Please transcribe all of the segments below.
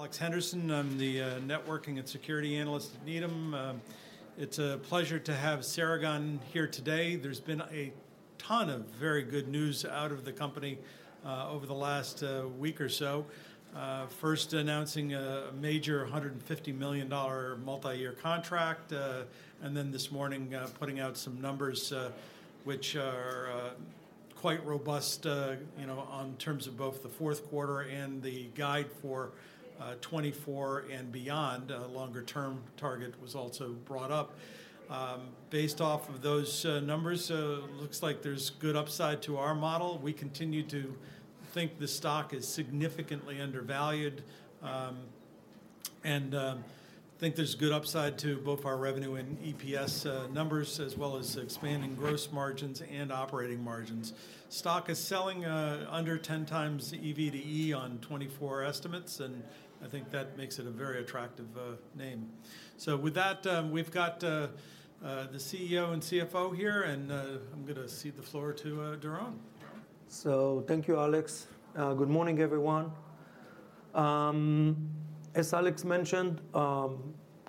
Alex Henderson. I'm the networking and security analyst at Needham. It's a pleasure to have Ceragon here today. There's been a ton of very good news out of the company over the last week or so. First announcing a major $150 million multi-year contract, and then this morning putting out some numbers which are quite robust, you know, on terms of both the fourth quarter and the guide for 2024 and beyond. A longer-term target was also brought up. Based off of those numbers, looks like there's good upside to our model. We continue to think the stock is significantly undervalued, and think there's good upside to both our revenue and EPS numbers, as well as expanding gross margins and operating margins. Stock is selling under 10x EV to E on 2024 estimates, and I think that makes it a very attractive name. So with that, we've got the CEO and CFO here, and I'm gonna cede the floor to Doron. So thank you, Alex. Good morning, everyone. As Alex mentioned,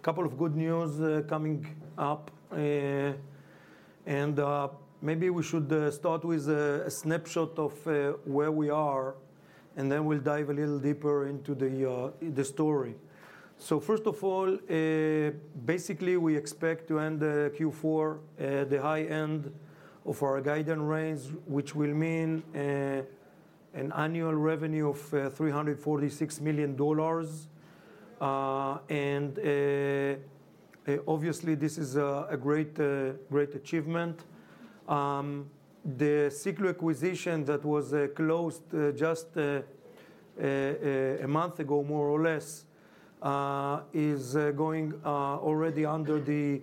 couple of good news coming up, and maybe we should start with a snapshot of where we are, and then we'll dive a little deeper into the story. So first of all, basically, we expect to end Q4 at the high end of our guidance range, which will mean an annual revenue of $346 million. And obviously, this is a great achievement. The Siklu acquisition that was closed just a month ago, more or less, is going already under the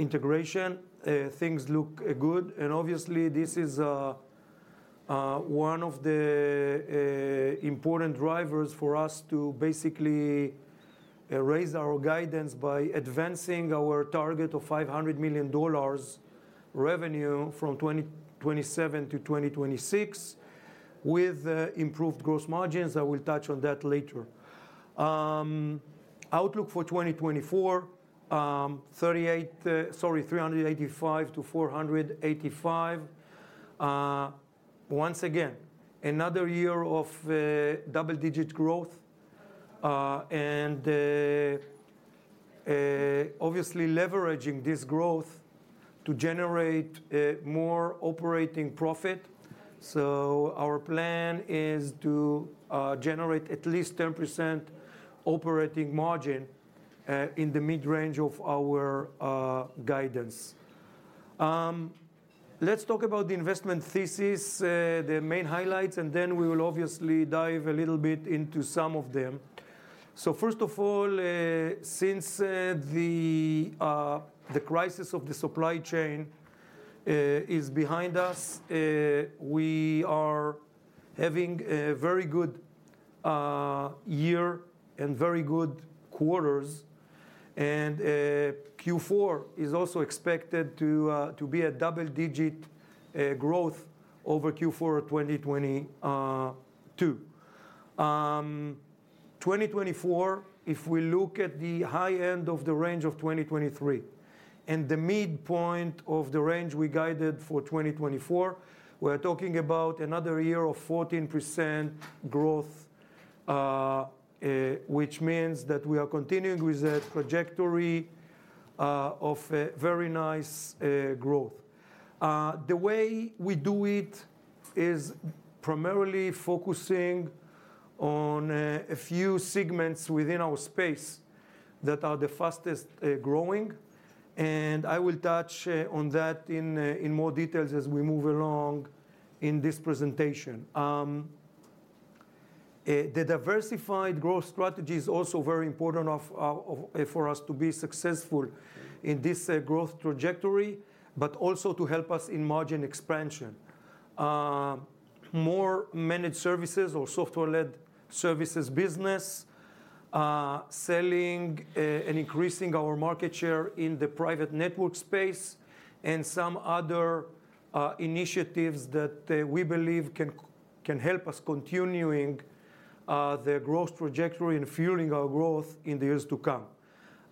integration. Things look good, and obviously, this is one of the important drivers for us to basically raise our guidance by advancing our target of $500 million revenue from 2027 to 2026, with improved gross margins. I will touch on that later. Outlook for 2024, $385 million-$485 million. Once again, another year of double-digit growth, and obviously leveraging this growth to generate more operating profit. So our plan is to generate at least 10% operating margin in the mid-range of our guidance. Let's talk about the investment thesis, the main highlights, and then we will obviously dive a little bit into some of them. So first of all, since the crisis of the supply chain is behind us, we are having a very good year and very good quarters, and Q4 is also expected to be a double-digit growth over Q4 of 2022. 2024, if we look at the high end of the range of 2023 and the midpoint of the range we guided for 2024, we're talking about another year of 14% growth, which means that we are continuing with a trajectory of a very nice growth. The way we do it is primarily focusing on a few segments within our space that are the fastest growing, and I will touch on that in more details as we move along in this presentation. The diversified growth strategy is also very important for us to be successful in this growth trajectory, but also to help us in margin expansion. More managed services or software-led services business, selling and increasing our market share in the private network space, and some other initiatives that we believe can help us continuing the growth trajectory and fueling our growth in the years to come.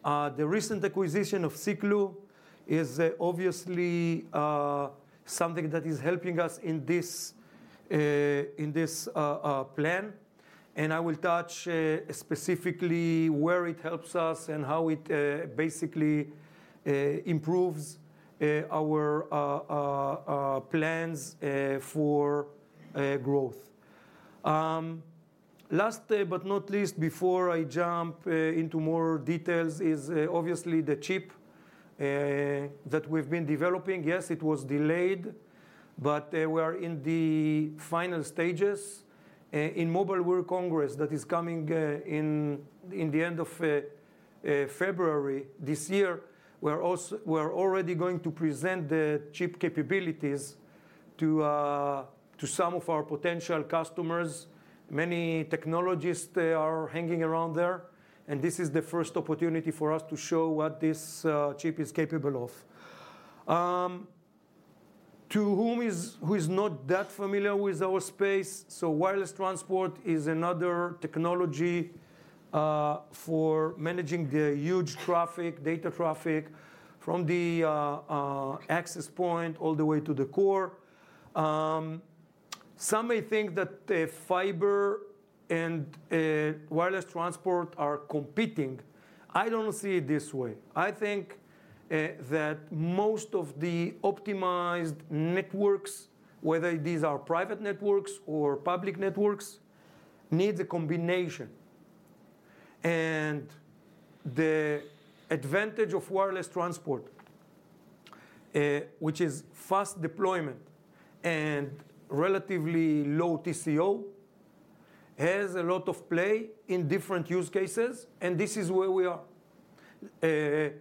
The recent acquisition of Siklu is obviously something that is helping us in this plan, and I will touch specifically where it helps us and how it basically improves our plans for growth. Last but not least, before I jump into more details is obviously the chip that we've been developing. Yes, it was delayed, but we are in the final stages. In Mobile World Congress that is coming in the end of February this year, we're already going to present the chip capabilities to some of our potential customers. Many technologists, they are hanging around there, and this is the first opportunity for us to show what this chip is capable of. To whom is, who is not that familiar with our space, so wireless transport is another technology for managing the huge traffic, data traffic from the access point all the way to the core. Some may think that the fiber and wireless transport are competing. I don't see it this way. I think that most of the optimized networks, whether these are private networks or public networks, need a combination. And the advantage of wireless transport, which is fast deployment and relatively low TCO, has a lot of play in different use cases, and this is where we are.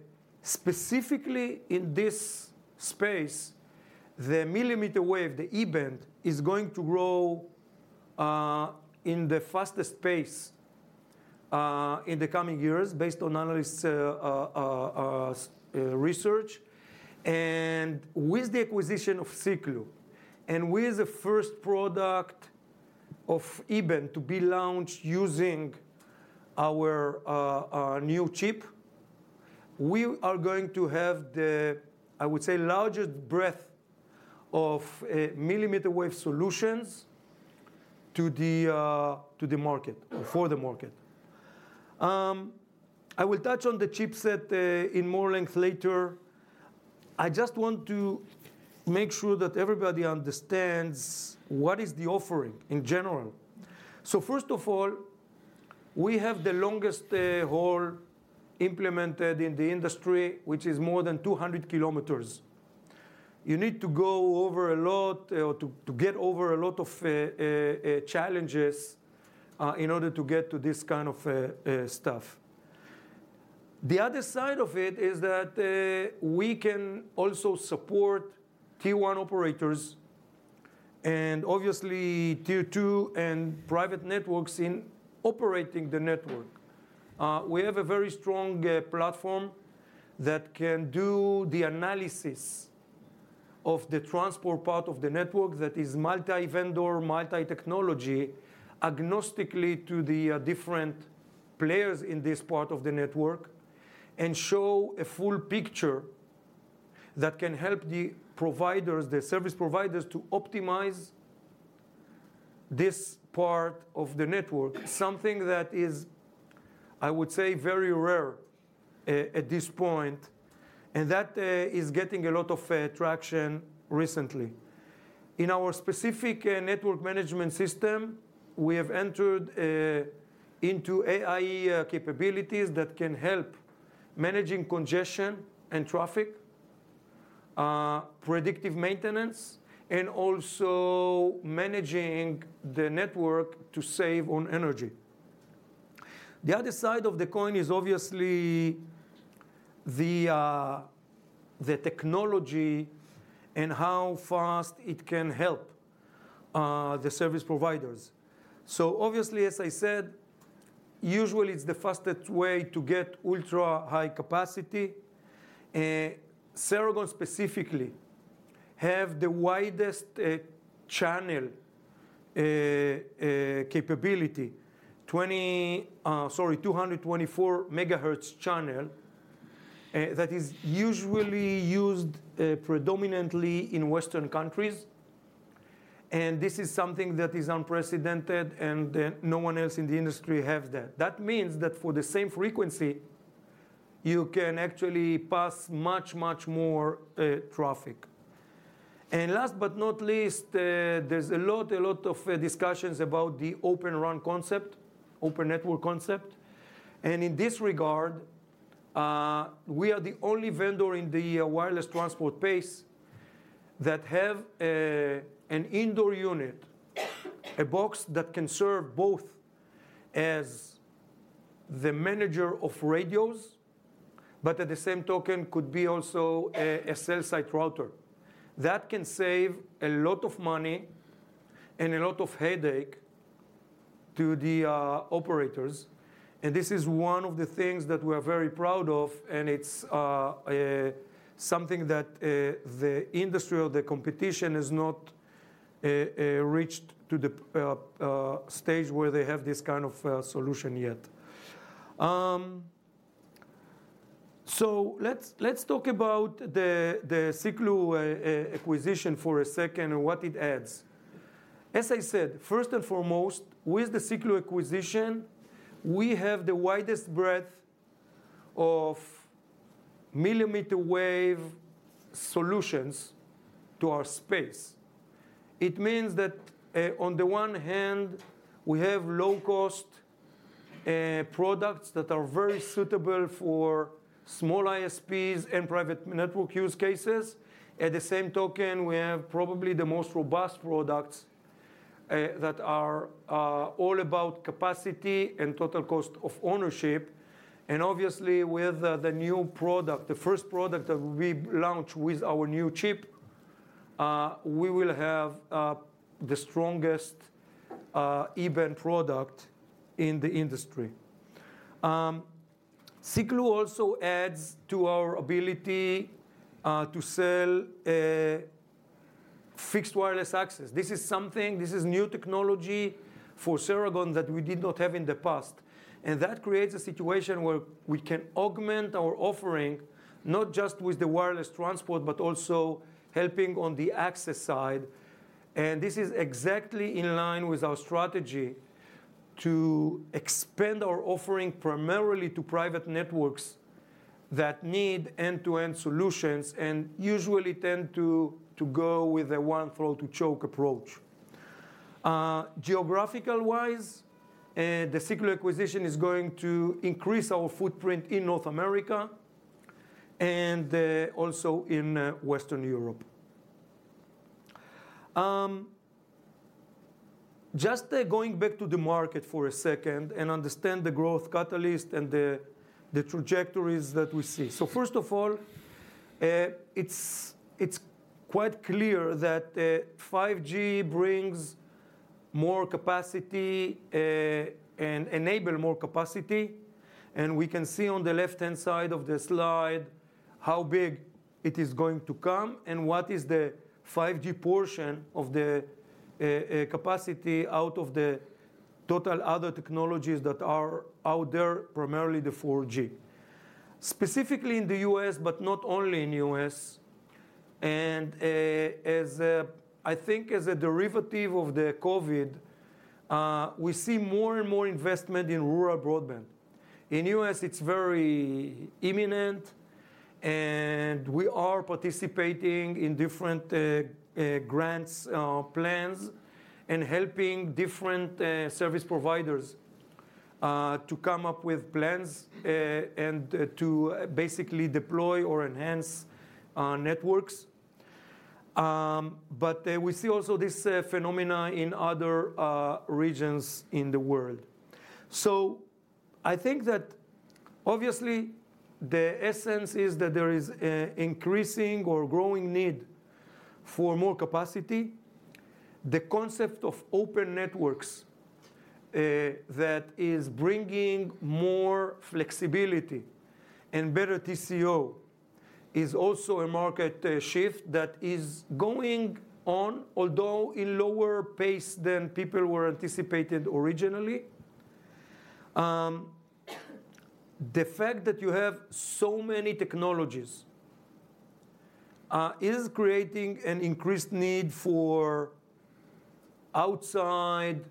Specifically in this space, the millimeter wave, the E-band, is going to grow in the fastest pace in the coming years, based on analyst's research. And with the acquisition of Siklu, and with the first product of E-band to be launched using our our new chip, we are going to have the, I would say, largest breadth of millimeter wave solutions to the to the market, for the market. I will touch on the chipset in more length later. I just want to make sure that everybody understands what is the offering in general. So first of all, we have the longest haul implemented in the industry, which is more than 200 km. You need to go over a lot or to get over a lot of challenges in order to get to this kind of stuff. The other side of it is that we can also support Tier One operators, and obviously Tier Two and private networks in operating the network. We have a very strong platform that can do the analysis of the transport part of the network that is multi-vendor, multi-technology, agnostically to the different players in this part of the network, and show a full picture that can help the providers, the service providers, to optimize this part of the network. Something that is, I would say, very rare at this point, and that is getting a lot of traction recently. In our specific network management system, we have entered into AI capabilities that can help managing congestion and traffic, predictive maintenance, and also managing the network to save on energy. The other side of the coin is obviously the technology and how fast it can help the service providers. So obviously, as I said, usually it's the fastest way to get ultra-high capacity. Ceragon specifically have the widest channel capability, 224 MHz channel, that is usually used predominantly in Western countries, and this is something that is unprecedented, and no one else in the industry have that. That means that for the same frequency, you can actually pass much, much more traffic. And last but not least, there's a lot, a lot of discussions about the Open RAN concept, open network concept. And in this regard, we are the only vendor in the wireless transport space that have an indoor unit, a box that can serve both as the manager of radios, but at the same token, could be also a cell site router. That can save a lot of money and a lot of headache to the operators, and this is one of the things that we are very proud of, and it's something that the industry or the competition has not reached to the stage where they have this kind of solution yet. So let's talk about the Siklu acquisition for a second and what it adds. As I said, first and foremost, with the Siklu acquisition, we have the widest breadth of millimeter wave solutions to our space. It means that on the one hand, we have low-cost products that are very suitable for small ISPs and private network use cases. At the same token, we have probably the most robust products that are all about capacity and total cost of ownership. And obviously, with the new product, the first product that we launch with our new chip, we will have the strongest E-band product in the industry. Siklu also adds to our ability to sell fixed wireless access. This is something, this is new technology for Ceragon that we did not have in the past, and that creates a situation where we can augment our offering, not just with the wireless transport, but also helping on the access side. And this is exactly in line with our strategy to expand our offering primarily to private networks that need end-to-end solutions, and usually tend to go with a one throat to choke approach. Geographical-wise, the Siklu acquisition is going to increase our footprint in North America and also in Western Europe. Just going back to the market for a second and understand the growth catalyst and the trajectories that we see. So first of all, it's quite clear that 5G brings more capacity and enable more capacity, and we can see on the left-hand side of the slide how big it is going to come, and what is the 5G portion of the capacity out of the total other technologies that are out there, primarily the 4G. Specifically in the U.S., but not only in U.S., and as I think as a derivative of the COVID, we see more and more investment in rural broadband. In U.S., it's very imminent, and we are participating in different grants, plans, and helping different service providers to come up with plans and to basically deploy or enhance networks. But we see also this phenomena in other regions in the world. So I think that obviously, the essence is that there is a increasing or growing need for more capacity. The concept of open networks, that is bringing more flexibility and better TCO, is also a market, shift that is going on, although in lower pace than people were anticipated originally. The fact that you have so many technologies, is creating an increased need for outside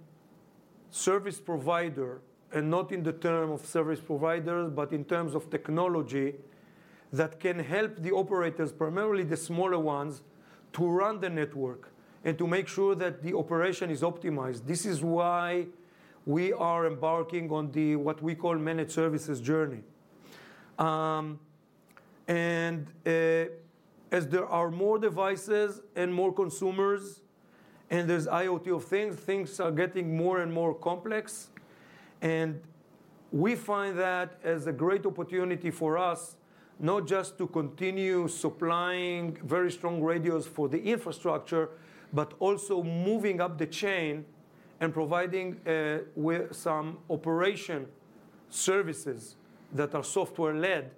service provider, and not in the term of service provider, but in terms of technology, that can help the operators, primarily the smaller ones, to run the network and to make sure that the operation is optimized. This is why we are embarking on the, what we call, managed services journey. And as there are more devices and more consumers, and there's IoT of things, things are getting more and more complex, and we find that as a great opportunity for us, not just to continue supplying very strong radios for the infrastructure, but also moving up the chain and providing with some operation services that are software-led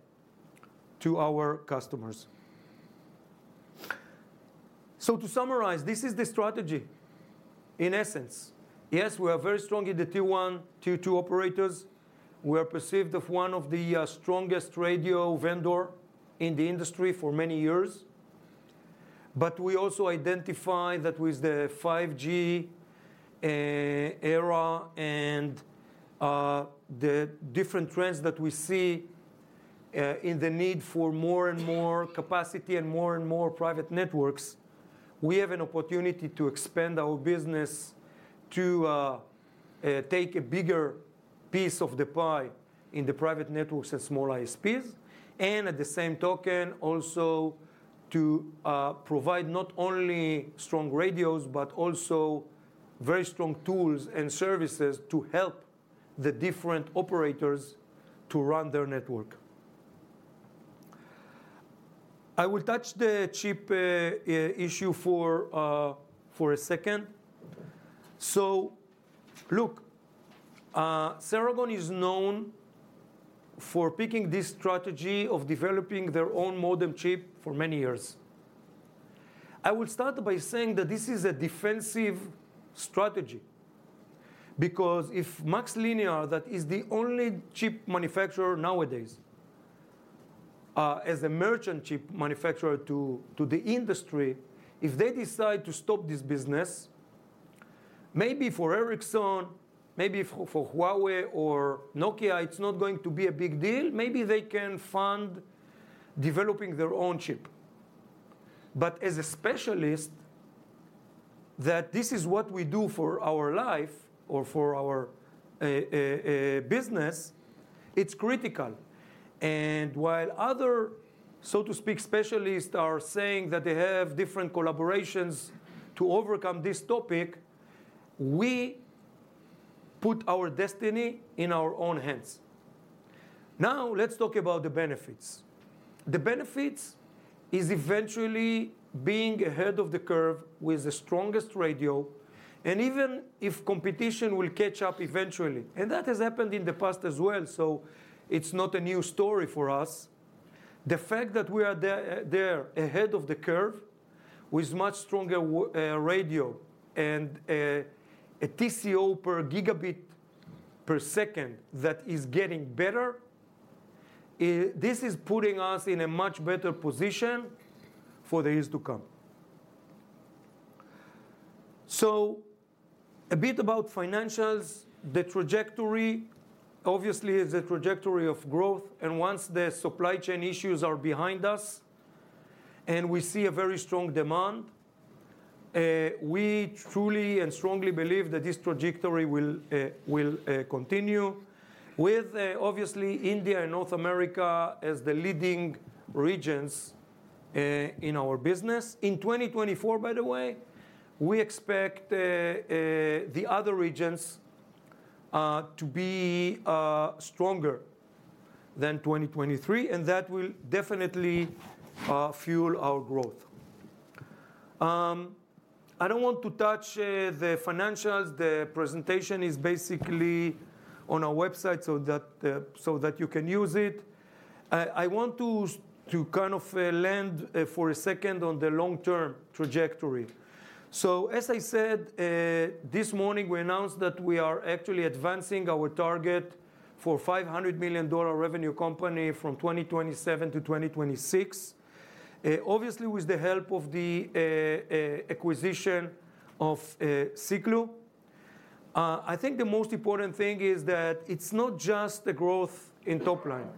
to our customers. So to summarize, this is the strategy in essence. Yes, we are very strong in the Tier One, Tier Two operators. We are perceived as one of the strongest radio vendor in the industry for many years. But we also identify that with the 5G era and the different trends that we see in the need for more and more capacity and more and more private networks, we have an opportunity to expand our business to take a bigger piece of the pie in the private networks and small ISPs. And at the same token, also to provide not only strong radios, but also very strong tools and services to help the different operators to run their network. I will touch the chip issue for a second. So look, Ceragon is known for picking this strategy of developing their own modem chip for many years. I will start by saying that this is a defensive strategy, because if MaxLinear, that is the only chip manufacturer nowadays, as a merchant chip manufacturer to the industry, if they decide to stop this business, maybe for Ericsson, maybe for Huawei or Nokia, it's not going to be a big deal. Maybe they can fund developing their own chip. But as a specialist, that this is what we do for our life or for our business, it's critical. And while other, so to speak, specialists are saying that they have different collaborations to overcome this topic, we put our destiny in our own hands... Now let's talk about the benefits. The benefits is eventually being ahead of the curve with the strongest radio, and even if competition will catch up eventually, and that has happened in the past as well, so it's not a new story for us. The fact that we are there ahead of the curve, with much stronger radio and a TCO per gigabit per second, that is getting better, this is putting us in a much better position for the years to come. So a bit about financials. The trajectory, obviously, is a trajectory of growth, and once the supply chain issues are behind us, and we see a very strong demand, we truly and strongly believe that this trajectory will continue with obviously India and North America as the leading regions in our business. In 2024, by the way, we expect the other regions to be stronger than 2023, and that will definitely fuel our growth. I don't want to touch the financials. The presentation is basically on our website, so that you can use it. I want to kind of land for a second on the long-term trajectory. So as I said this morning, we announced that we are actually advancing our target for $500 million revenue company from 2027 to 2026. Obviously, with the help of the acquisition of Siklu. I think the most important thing is that it's not just the growth in top line.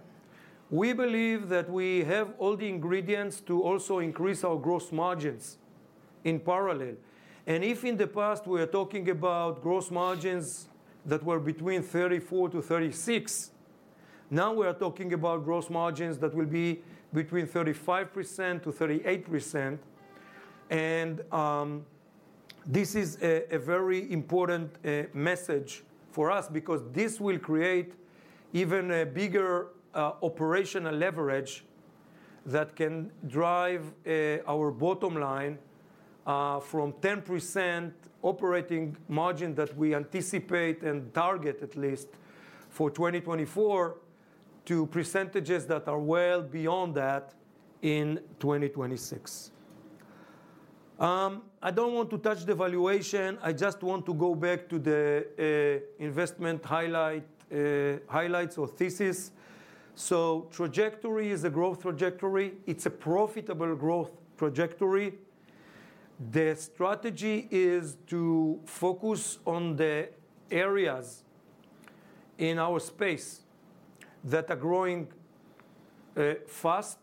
We believe that we have all the ingredients to also increase our gross margins in parallel, and if in the past we are talking about gross margins that were between 34-36, now we are talking about gross margins that will be between 35%-38%. This is a very important message for us because this will create even a bigger operational leverage that can drive our bottom line from 10% operating margin that we anticipate and target, at least, for 2024, to percentages that are well beyond that in 2026. I don't want to touch the valuation. I just want to go back to the investment highlight, highlights or thesis. So trajectory is a growth trajectory. It's a profitable growth trajectory. The strategy is to focus on the areas in our space that are growing, fast.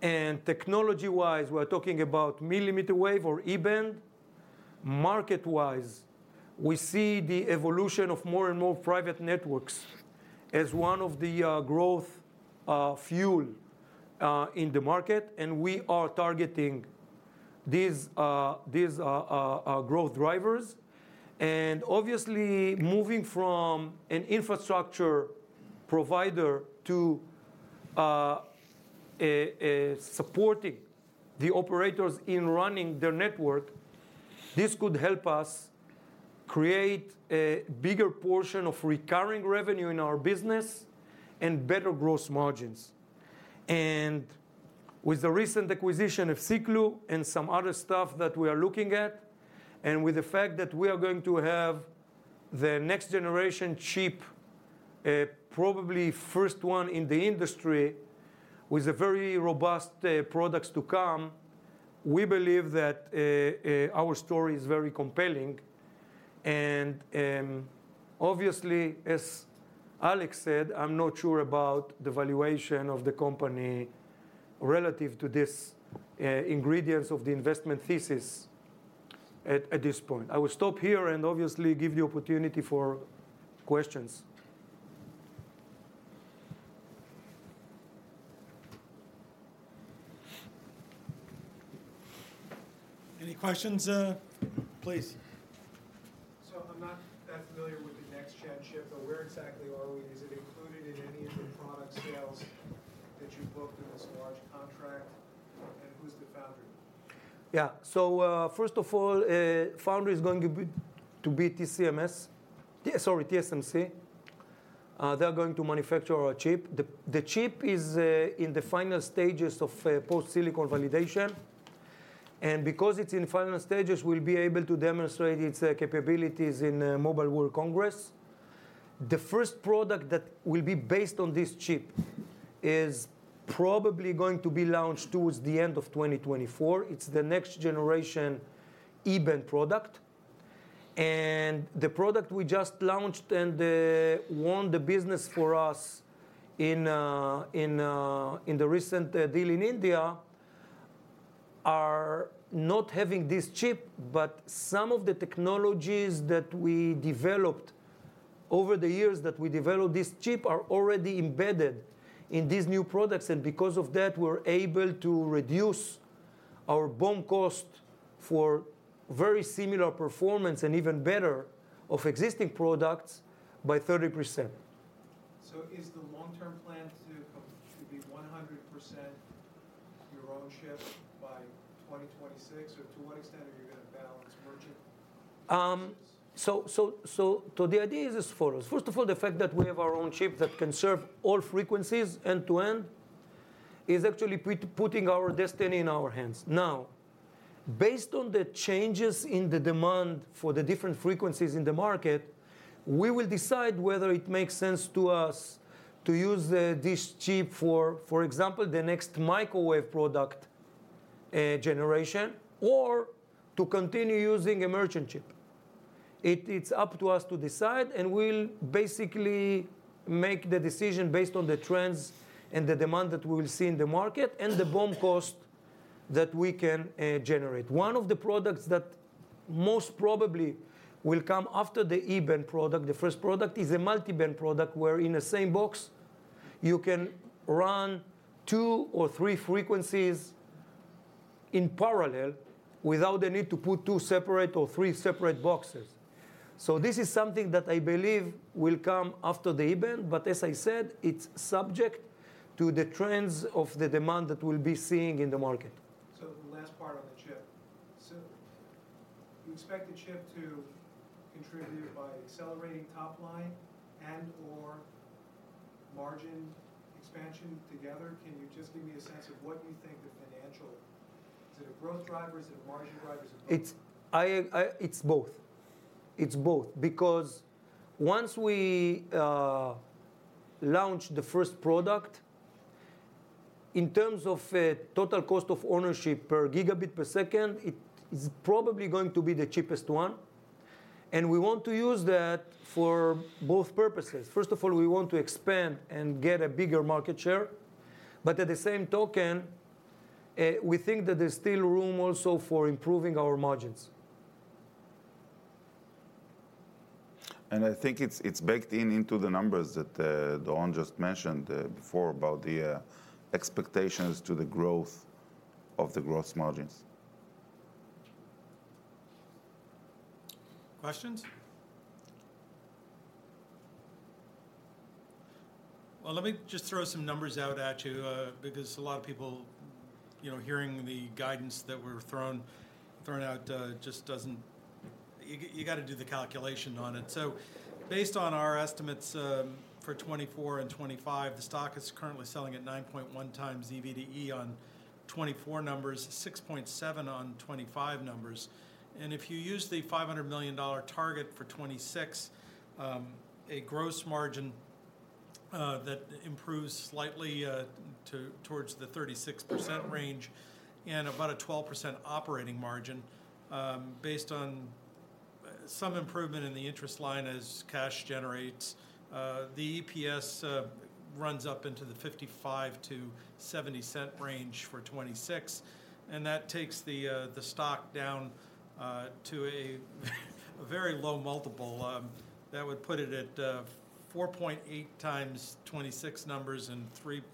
And technology-wise, we're talking about millimeter-wave or E-band. Market-wise, we see the evolution of more and more private networks as one of the growth fuel in the market, and we are targeting these growth drivers. And obviously, moving from an infrastructure provider to supporting the operators in running their network, this could help us create a bigger portion of recurring revenue in our business and better gross margins. With the recent acquisition of Siklu and some other stuff that we are looking at, and with the fact that we are going to have the next generation chip, probably first one in the industry, with a very robust products to come, we believe that our story is very compelling. Obviously, as Alex said, I'm not sure about the valuation of the company relative to this ingredients of the investment thesis at this point. I will stop here and obviously give the opportunity for questions. Any questions? Please. So I'm not that familiar with the next-gen chip, but where exactly are we? Is it included in any of the product sales that you booked in this large contract, and who's the founder? Yeah. So, first of all, foundry is going to be TSMC. They're going to manufacture our chip. The chip is in the final stages of post-silicon validation, and because it's in final stages, we'll be able to demonstrate its capabilities in Mobile World Congress. The first product that will be based on this chip is probably going to be launched towards the end of 2024. It's the next generation E-band product, and the product we just launched and won the business for us in the recent deal in India are not having this chip, but some of the technologies that we developed over the years, that we developed this chip, are already embedded in these new products. And because of that, we're able to reduce-... our BOM cost for very similar performance, and even better, of existing products by 30%. So is the long-term plan to come, to be 100% your own chip by 2026? Or to what extent are you gonna balance merchant chips? So the idea is as follows: first of all, the fact that we have our own chip that can serve all frequencies end-to-end is actually putting our destiny in our hands. Now, based on the changes in the demand for the different frequencies in the market, we will decide whether it makes sense to us to use this chip for, for example, the next microwave product generation, or to continue using a merchant chip. It's up to us to decide, and we'll basically make the decision based on the trends and the demand that we will see in the market, and the BOM cost that we can generate. One of the products that most probably will come after the E-band product, the first product, is a multi-band product, where in the same box, you can run two or three frequencies in parallel without the need to put two separate or three separate boxes. So this is something that I believe will come after the E-band, but as I said, it's subject to the trends of the demand that we'll be seeing in the market. So the last part on the chip. So you expect the chip to contribute by accelerating top line and/or margin expansion together? Can you just give me a sense of what you think the financial... Is it a growth drivers? Is it margin drivers, or both? It's both. It's both. Because once we launch the first product, in terms of total cost of ownership per gigabit per second, it is probably going to be the cheapest one, and we want to use that for both purposes. First of all, we want to expand and get a bigger market share, but at the same token, we think that there's still room also for improving our margins. I think it's baked in into the numbers that Doron just mentioned before about the expectations to the growth of the gross margins. Questions? Well, let me just throw some numbers out at you, because a lot of people, you know, hearing the guidance that we were thrown out, just doesn't... You gotta do the calculation on it. So based on our estimates, for 2024 and 2025, the stock is currently selling at 9.1 times EV/EBITDA on 2024 numbers, 6.7 on 2025 numbers. And if you use the $500 million target for 2026, a gross margin that improves slightly towards the 36% range and about a 12% operating margin. Based on some improvement in the interest line as cash generates, the EPS runs up into the $0.55-$0.70 range for 2026, and that takes the stock down to a very low multiple. That would put it at 4.8x 2026 numbers and 3.8x the high end of those, that band.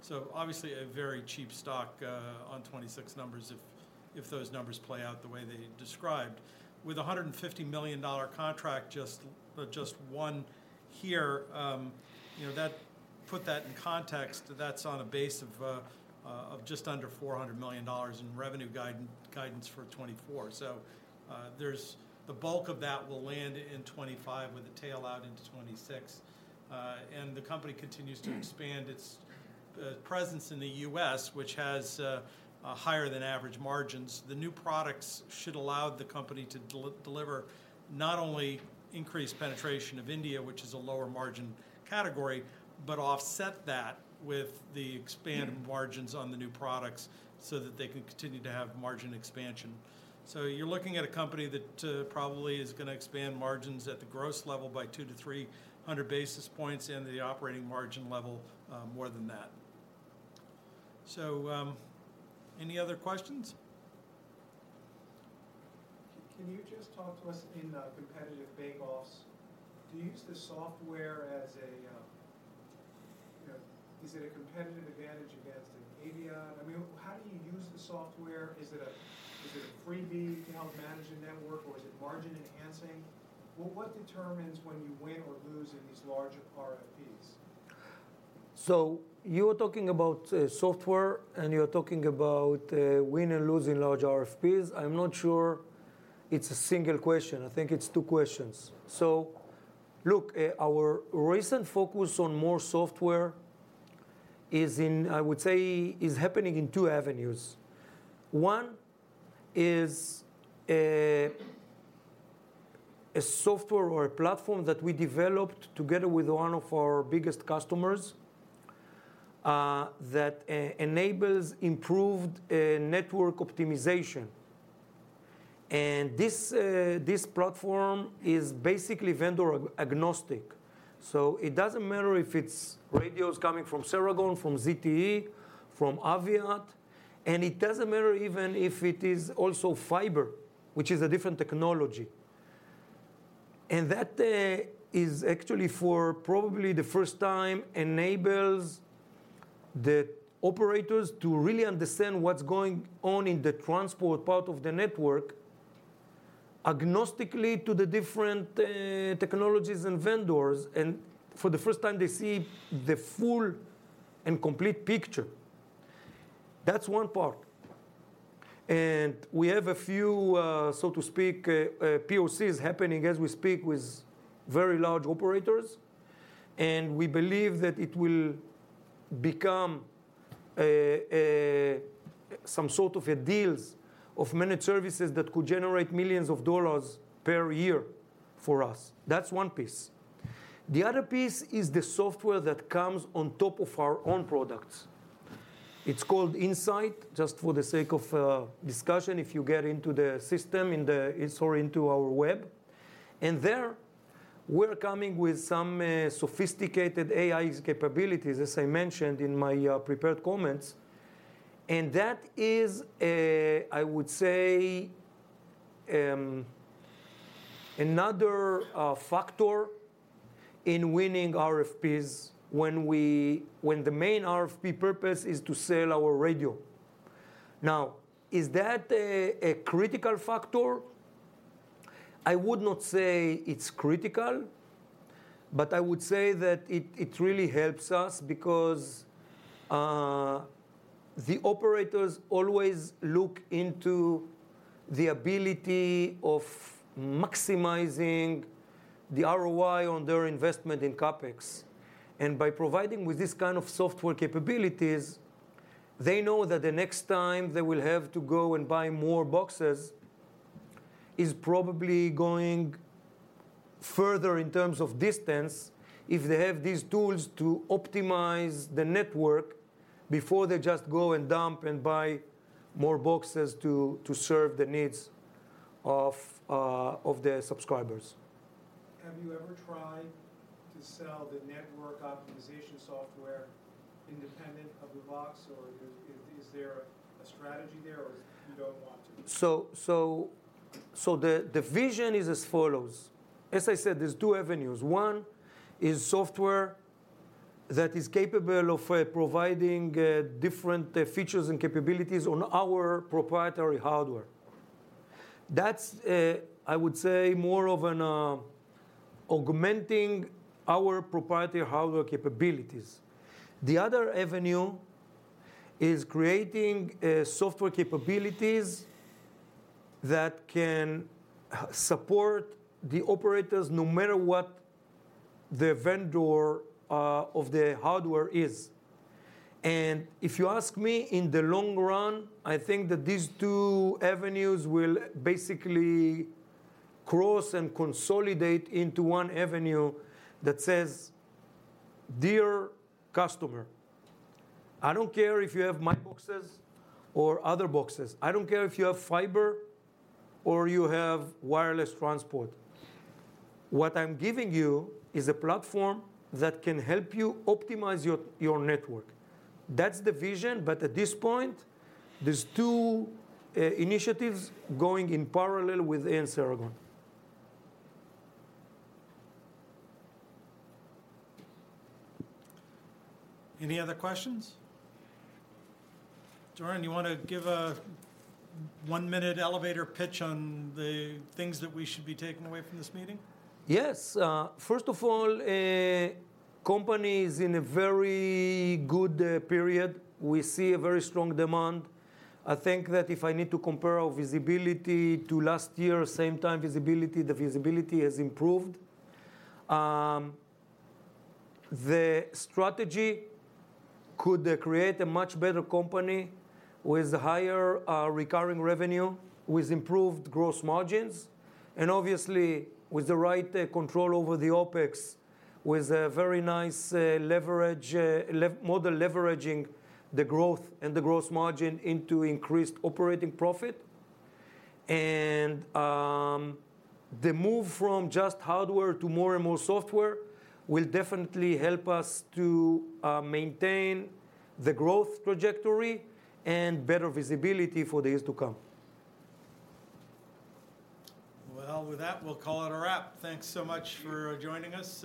So obviously, a very cheap stock on 2026 numbers, if those numbers play out the way they described. With a $150 million contract, just one here, you know, that put that in context, that's on a base of just under $400 million in revenue guidance for 2024. So there's... The bulk of that will land in 2025, with a tail out into 2026. And the company continues to expand its presence in the U.S., which has a higher-than-average margins. The new products should allow the company to deliver not only increased penetration of India, which is a lower margin category, but offset that with the expanded margins on the new products, so that they can continue to have margin expansion. So you're looking at a company that, probably is gonna expand margins at the gross level by 200-300 basis points and the operating margin level, more than that. So, any other questions? Can you just talk to us in competitive bake-offs? Do you use the software as a, you know... Is it a competitive advantage against an Aviat? I mean, how do you use the software? Is it a freebie to help manage the network, or is it margin-enhancing? What determines when you win or lose in these larger RFPs? So you are talking about, software, and you're talking about, win and lose in large RFPs. I'm not sure it's a single question. I think it's two questions. So look, our recent focus on more software is in, I would say, is happening in two avenues. One is a software or a platform that we developed together with one of our biggest customers, that enables improved, network optimization. And this platform is basically vendor agnostic. So it doesn't matter if it's radios coming from Ceragon, from ZTE, from Aviat, and it doesn't matter even if it is also fiber, which is a different technology.... and that is actually for probably the first time, enables the operators to really understand what's going on in the transport part of the network, agnostically to the different technologies and vendors, and for the first time, they see the full and complete picture. That's one part, and we have a few, so to speak, POCs happening as we speak with very large operators, and we believe that it will become a, a, some sort of a deals of managed services that could generate $ millions per year for us. That's one piece. The other piece is the software that comes on top of our own products. It's called Insight, just for the sake of discussion, if you get into the system, in the or into our web, and there we're coming with some sophisticated AI capabilities, as I mentioned in my prepared comments, and that is, I would say, another factor in winning RFPs, when the main RFP purpose is to sell our radio. Now, is that a critical factor? I would not say it's critical, but I would say that it, it really helps us because the operators always look into the ability of maximizing the ROI on their investment in CapEx, and by providing with this kind of software capabilities, they know that the next time they will have to go and buy more boxes, is probably going further in terms of distance, if they have these tools to optimize the network before they just go and dump and buy more boxes to serve the needs of their subscribers. Have you ever tried to sell the network optimization software independent of the box, or is there a strategy there or you don't want to? So the vision is as follows: as I said, there's two avenues. One is software that is capable of providing different features and capabilities on our proprietary hardware. That's, I would say, more of an augmenting our proprietary hardware capabilities. The other avenue is creating software capabilities that can support the operators, no matter what the vendor of the hardware is. And if you ask me, in the long run, I think that these two avenues will basically cross and consolidate into one avenue that says, "Dear customer, I don't care if you have my boxes or other boxes. I don't care if you have fiber or you have wireless transport. What I'm giving you is a platform that can help you optimize your network." That's the vision, but at this point, there's two initiatives going in parallel within Ceragon. Any other questions? Doron, you want to give a one-minute elevator pitch on the things that we should be taking away from this meeting? Yes. First of all, company is in a very good period. We see a very strong demand. I think that if I need to compare our visibility to last year, same time visibility, the visibility has improved. The strategy could create a much better company with higher recurring revenue, with improved gross margins, and obviously with the right control over the OpEx, with a very nice leverage model leveraging the growth and the gross margin into increased operating profit. The move from just hardware to more and more software will definitely help us to maintain the growth trajectory and better visibility for the years to come. Well, with that, we'll call it a wrap. Thanks so much for joining us,